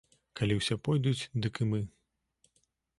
Калі ўсе пойдуць, дык і мы.